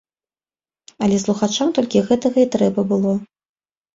Але слухачам толькі гэтага і трэба было.